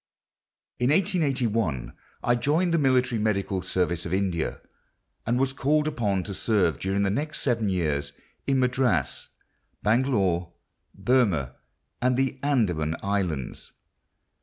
In 1881 I joined the military medical service of India, and was called upon to serve during the next seven years in Madras, Bangalore, Burma, and the Andaman Islands.